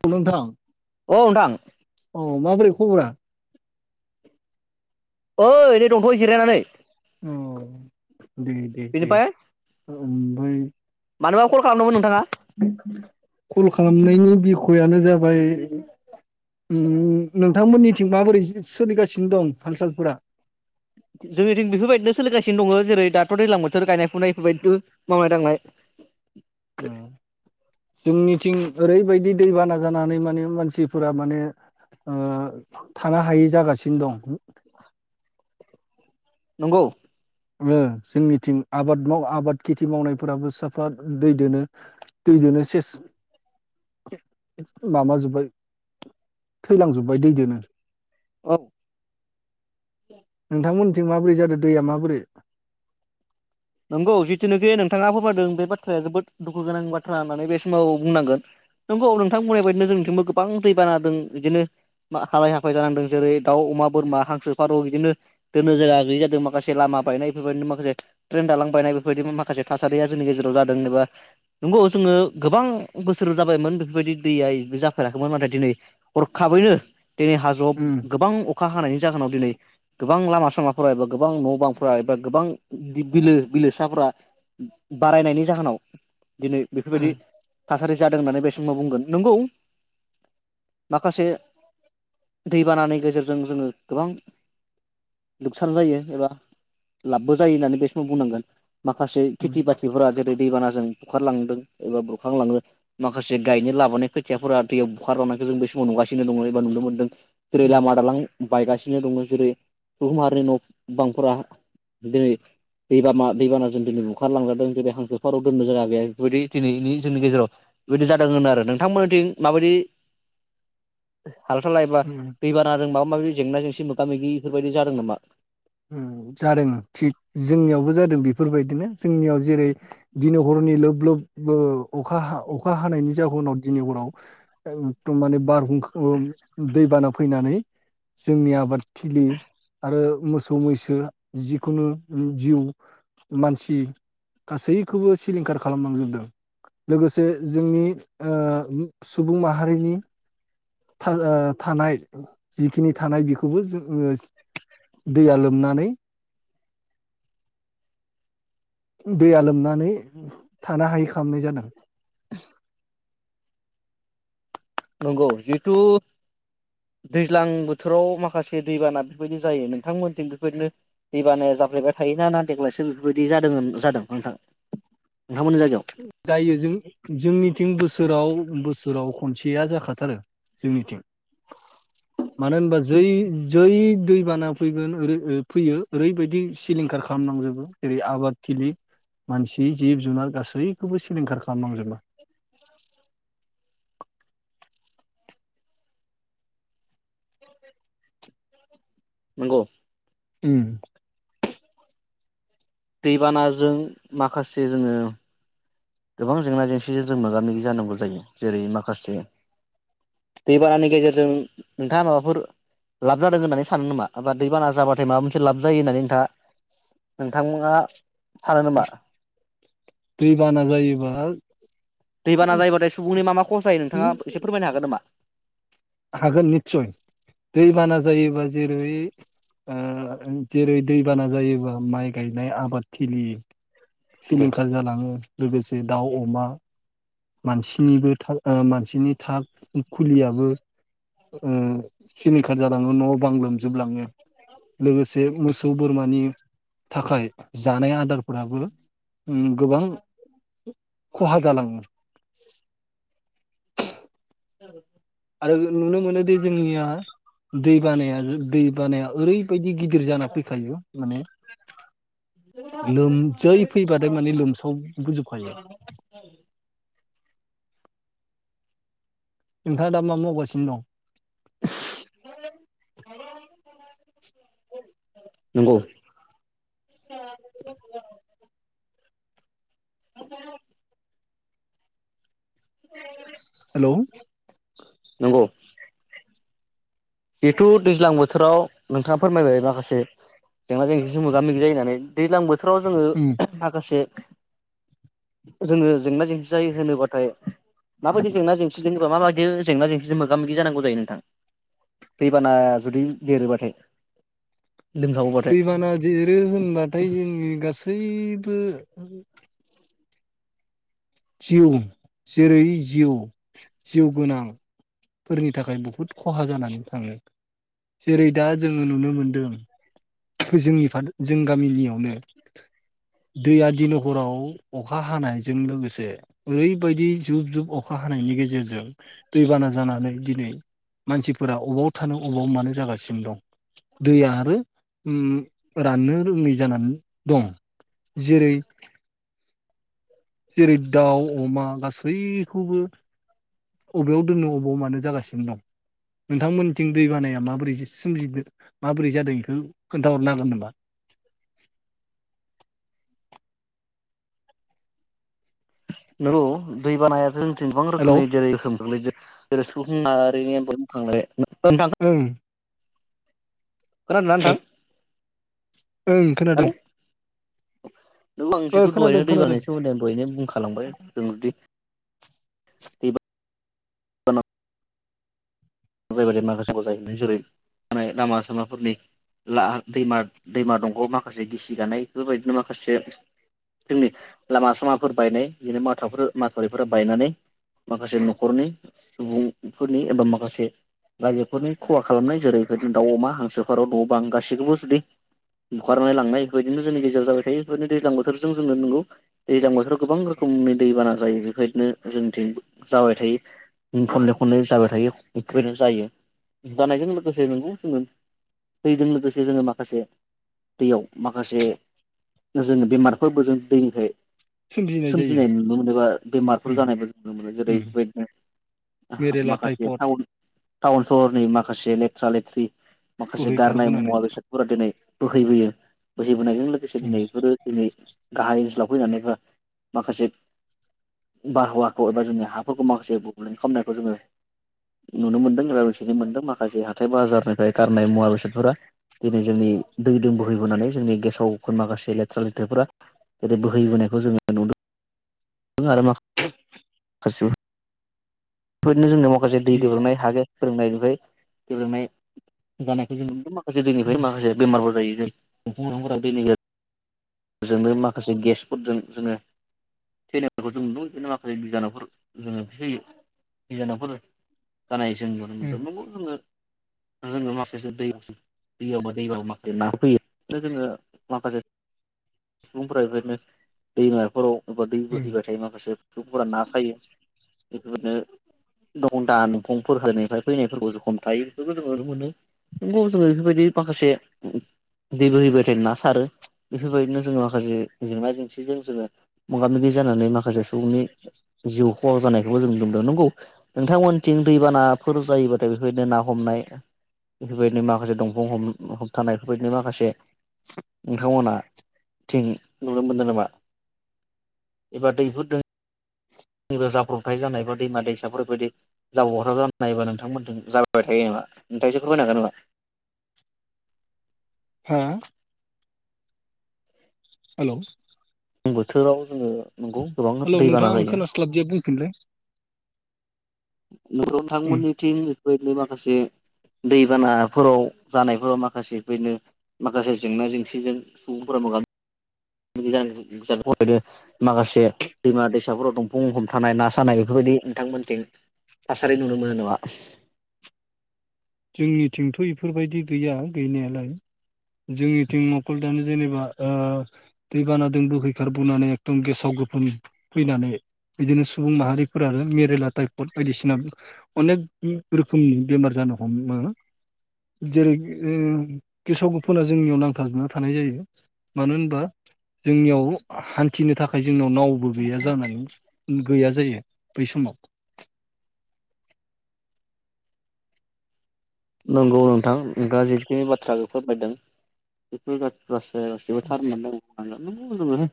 फुलुं नोंथां औ नोंथां अ माबोरै खबरा? ओइ नै दंथ'यो जिरायनानै औ दे-दे-दे बेनिफ्राय ओमफ्राय मानोबा कल खालामदोंमोन नोंथाङा कल खालामनायनि बिखयानो जाबाय नोंथांमोननिथिं माबोरै सोलिगासिनो दं हाल सालफोरा जोंनिथिं बेफोरबायदिनो सोलिगासिनो दङ जेरै दाथ' दैज्लां बोथोर गायनाय फुनाय बेफोरबायदिथ' मावनाय दांनाय जोंनिथिं ओरैबायदि दैबाना जानानै माने मानसिफोरा माने थानो हायै जागासिनो दं नंगौ जोंनिथिं आबाद माव आबाद खेथि मावनायफोराबो साफा दै दोनो दैजोंनो सेस माबाजोब्बाय थैलांजोब्बाय दैदोनो औ जों माबोरै जादों दैया माबोरै नंगौ जिथुनोखि नोंथाङा फोरमायदों बे बाथ्राया जोबोद दुखु गोनां बाथ्रा होननानै बे समाव बुंनांगोन नोंगौ औ नोंथां बुंनाय बायदिनो जों नोंथिबो गोबां दै बानादों बिदिनो हालाय हाफाय जानांदों जेरै दाउ, अमा, बोरमा हांसो, फारौ बिदिनो दोननो जायगा गैयि जादों माखासे लामा बायनाय बेफोरबायदिनो माखासे ट्रेन दालां बायनाय बेफोरबायदि माखासे थासारिया जोंनि गेजेराव जादों। जेनेबा नंगौ जोङो गोबां बोसोर जाबायमोन बेफोरबायदि दैया जाफेराखैमोन नाथाय दिनै हरखाबैनो दिनै हाजोआव उम गोबां अखा अखा हानायनि जाहोनाव दिनै गोबां लामा सामाफोरा एबा गोबां न' बांफोरा एबा गोबां बिलो बिलोसाफोरा बारायनायनि जाहोनाव दिनै बेफोरबायदि उम थासारि जादों होननानै बे समाव बुंगोन। नंगौ माखासे दैबानानि गेजेरजों जोङो गोबां लुखसान जायो एबा लाबबो जायो होननानै बे बुंनांगोन। माखासे उम खेथि बाथिफोरा जेरै दैबानाजों बुखारलांदों एबा बुरखांलांदों माखासे गायनो लाबोनाय खोथियाफोरा दैयाव बुखार लांनायखौ जों बे समाव नुगासिनो दङो एबा नुनो मोनदों। जेरै उम लामा दालां बायगासिनो दङो जेरै सुबुंहारिनि न' बांफोरा दिनै दैबाना दैबानाजों दिनै बुंखारलांजादों ।दिनै हांसो, फाराव दोननो जागा गैया बेफोरबायदि दिनैनि जोंनि गेजेराव बेबायदि जादों होनो आरो नोंथांमोननिथिं माबायदि हाल साला एबा उम दैबानादों माबा माबि जेंना जेंसि मोगा मोगि इफोरबायदि जादों नामा? उम जादों थिग जोंनियावबो जा दों बेफोरबायदिनो। जोंनियाव जेरै दिन हरनि लोब लोब ओ अखा हा अखा हानायनि जाहुनाव दिनै हराव एकदम माने बारहुंखा दैबाना फैनानै जोंनि आबादथिलि आरो मोस मैसो जिखुनु उम जिउ मानसि गासैखौबो सिलिंखार खालामलांजोबदों। लोगोसे जोंनि ओ सुबुं माहारिनि था ओ थानाय जिखिनि थानाय बेखौबो जो [unintelligible] दैया लोमनानै दैया लोमनानै थानो हायि खामनाय जादों। नंगौ जिहेथु दैज्लां बोथोराव माखासे दैबाना बेफोरबायदि जायो। नोंथांमोनथिं बेफोरबायदिनो दैबानाया जाफ्लेबाय थायो ना देग्लायसो बेफोरबायदि जादों जादों नोंथां? नोंथांमोननि जायगायाव जायो। जों-जोंनिथिं बोसोराव बोसोराव खनसेया जाखा थारो जोंनिथिं। मानो होनबा जै जै दै बाना फैगोन ओरै फैयो ओरैबायदि सिलिंखार खालामलांजोबो। जेरै आबादथिलि मानसि जिब जुनार गासै यैखौबो सिलिंखार खालामलांजोबो। नंगौ। उम। दैबानाजों माखासे जोङो गोबां जेंना जेंसिजों जों मोगा मोगि जानांगौ जायो। जेरै माखासे दैबानानि गेजेरजों नोंथाङा माबाफोर लाब जादों होननानै सानो नोमा? दैबाना जाबाथाय माबा मोनसे लाब जायो होननानै नोंथाङा नोंथांमोनहा दैबाना जायोबा दैबाना जायोबाथाय सुबुंनि मा मा खस जायो। नोंथाङा एसे फोरमायनो हागोन नोमा? हागोन निस्सय। दैबाना जायोबा जेरै ओ जेरै दै बाना जायोबा माइ गायनाय आबादथिलि सिलिंखार जालाङो लोगोसे दाउ, अमा मानसिनिबो था ओ मानसिनि था खुलियाबो ओ सिलिंखार जालाङो न' बां लोमजोबलाङो। लोगोसे मोसौ बोरमानि थाखाय जानाय आदारफोराबो उम गोबां खहा जालाङो। औ। आरो नुनो मोनोदि जोंनिया दै बानाया दै बानाया ओरै बायदि गिदिर जाना फैखायो माने लोम जै फैबाथाय माने लोमसाव बोजोबखायो नोंथाङा दा मा मावगासिनो दं? [inaudible] नंगौ [unintelligible] [inaudible] हेलौ बेथ' दैज्लां बोथोराव नोंथाङा फोरमायबाय माखासे जेंना जेंसिजों मोगा मोगि जायो होनानै दैज्लां बोथोराव जोङो उम माखासे जोङो जेंना जेंसि जायो होनोबाथाय माबायदि जेंना जेंसि जेनेबा माबायदि जेंना जेंसिजों मोगा मोगि जानांगौ जायो नोंथां? दैबाना जुदि देरोबाथाय लोमसावोबाथाय दैबाना देरो होनबाथाय जोंनि गासैबो जिउ जेरै जिउ जिउ गोनां फोरनि थाखाय बहुद खहा जानानै थाङो। जेरै दा जोङो नुनो मोनदों जोंनि जों गामिनियावनो दै आ दिनै हराव अखा हानायजों लोगोसे ओरैबायदि जुब जुब अखा हा हानायनि गेजेरजों दैबाना जानानै दिनै मानसिफोरा अबाव थानो अबाव मानो जागासिनो दं दैया आरो उम राननो रोङै जानानै दं जेरै जेरै दाउ अमा गासै खौबो अबेयाव दोननो अबेयाव मानो जागासिनो दं नोंथांमोन थिं दै बानाया माबोरै सोमजि माबोरै जादों बेखौ खोन्थाहरनो हागोन नामा? [inaudible] नोंगौ दै बानायाथ' जोंथि गोबां हेलौ रोखोमनि जेरै गोहोम गोलैदों जेरै सुबुं [unintelligible] ओं खोनादोंना नोंथां ओं खोनादों हेलौ [inaudible] [unintelligible] आं ओ जिथु खोनादों दहायनो खोनादों दैबानानि सोमोन्दै आं दहायनो बुंखालांबाय जों दि दै‌बा जायबायदि माखासेखौ जाहैबाय जेरै थानाय लामा सामाफोरनि ला दैमा दैमा दंगाव माखासे गिसि गानाय इफोरबायदिनो माखासे जोंनि लामा सामाफोर बायनाय बिदिनो माथावफोर माथावरिफोरा बायनानै माखासे नख'रनि सुबुंफोरनि एबा माखासे रायजोफोरनि खहा खालामनाय जेरैफोरबायदि दाउ अमा हांसोफोरौ न' बां गासैखौबो जुदि बुखारनाय लांनाय बेबायदिनो जोंनि गेजेराव जाबाय थायो बेदिनो दैज्लां बोथोरजों जोङो नंगौ दैज्लां बोथोराव गोबां रोखोम फुंनै दैबाना जायो बेबायदिनो जोंनिथिं जाबाय थायो खनले खनले जाबाय थायो बे [unintelligible] जायो जानायजों लोगोसे नोंगौ जोङो दैजों लोगोसे जोङो माखासे दैयाव माखासे जोङो बेमारफोरबो जों दैनिफ्राय सोमजिनाय नुनो मोनो बा बेमारफोर उम जानायबो नुनो मोनो जेरै उम बेफोरबायदिनो मेरेला माखासे टाइपट थाव टाउन सहरनि माखासे लेथ्रा लेथ्रि माखासे गारनाय बोहैखारबोनानै मुवा बेसादफोरा दिनै बोहैबोयो बोहैबोनायजों लोगोसे उम दिनैफोरो दिनै गाहाय ओनसोलाव फैनानैफा माखासे बारहावाखौ एबा जोंनि हाफोरखौ माखासे गुबुंले खालामनायखौ जोङो- नुनो मोनदों एबा मिथिनो मोनदों माखासे हाथाय बाजारनिफ्राय गारनाय मुवा बेसादफोरा दिनै जोंनि दै दों बोहैबोनानै जोंनि गेसावफोर माखासे लेथ्रा लेथ्राफोरा जेरै बोहैबोनायखौ जोङो नुदों! [unintelligible] उम [inaudible] [unintelligible] उम [unintelligible] जोंनो माखासे गेसफोरजों जोङो- [unintelligible] जानाय जों नुनो उम मोनदों नंगौ जोङो जोङो माखासे दै दैयावबा दैबाबो माखासे ना होफैयोनो जोङो माखासे सुबुंफोरा बेबायदिनो दैमाफोराव- बबेबा दै उम बोहैबाय थायो माखासे दखरा ना थायो बेफोरनो- [unintelligible] [inaudible] फुरखालनिफ्राय फैनायफोरखौ जों हमथायो बेफोरखौ जों ओरैनो मोनो। नोंगौ जों एफोरबायदि माखासे दै बोहैबाय थाय ना सारो बेफोरबायदिनो जोङो माखासे जेंना जेंसिजों जोङो मोगा मोगि जानानै माखासे सुबुंनि जिउ खहा जानायखौबो जों नुबदों नंगौ नोंथांमोनथिं दैबानाफोर जायोबाथाय बेफोरदिनो ना हमनाय बेफोरबायदिनो माखासे दंफां होबथानाय बेफोरबायदिनो माखासे नोंथांमोना थिं नुनो मोनदों नामा एबा दैफोर दों? एबा जाब्रबथाय जानायफ्रा दैमा दैसाफोर बायदि जाबथा जानाय एबा नोंथां मोनिथिं जाबाय थायोनामा? नोंथासो एसे फोरमायनो हागोन नामा? हा? हेलौ बोथोराव जोङो नंगौ गोबां हेलौ नोंथां दैबाना आं जायो! खोनास्लाबदिया बुंफिनलाय न'राव उम थांमोननिथिं बेफोरबायदिनो माखासे- दैबानाफोराव जानायफोराव माखासे बेनो माखासे जेंना जेंसिजों सुबुंफोरा मोगा माखासे दैमा दैसाफोराव दंफां हम थानाय ना सानाय बेफोरबायदि- नोंथांमोनथिं थासारि नुनो मोनोनाय नङा! जोंनिथिंथ' इफोरबायदि गैया गैनायालाय जोंनिथिं मखल दानि जेनेबा ओ दै बाना दोन बोहैखार बोननानै एकदम गेसाव गोफोन फैनानै- बिदिनो सुबुं माहारिफोर आरो मेरेला टाइफड बायदिसिना अनेक रोखोमनि बेमार जानो- हमो! जेरै ओ गेसाव गुफोनना जोंनियाव नांथाबना थानाय जायो मानो होनबा- जोंनियाव हान्थिनो थाखाय जो- जोंनाव नावबो गैया जानानै गैया जायो बै समाव- नंगौ नोंथां दा जिखिनि बाथ्राखौ फोरमायदों बेफोर-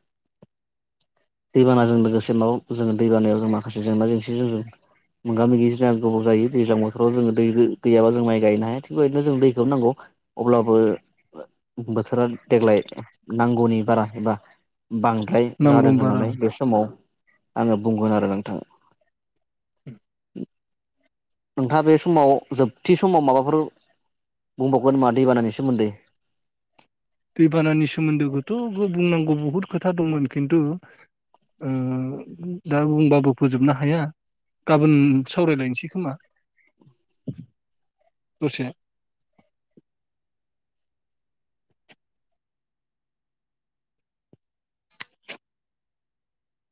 [unintelligible] दैबानाजों लोगोसे न' जोङो दैबानायाव जों माखासे जेंना जेंसिजों जों- मोगा मोगि जा गोबाव जायो दैज्लां बोथोराव जो दै गैयाबा जों माइ- गायनाय थिदिनो जों दैखौनो नांगौ अब्लाबो बोथोरा देग्लाय- नांगौनि बारा एबा- बांद्राय नांगौ जादों बारा होननानै बे समाव आङो बुंगोन आरो नोंथां! [inaudible] [inaudible] नोंथाङा बे समाव जोबथि समाव माबाफोर- बुंबावगोन नामा दै बानायनि सोमोन्दै- दैबानानि सोमोन्दोखौथ' बुंनांगौ बहुद खोथा दंमोन खिन्थु- ओ दा बुंबाबो फोजोबनो हाया! गाबोन सावरायलायसै खोमा दसे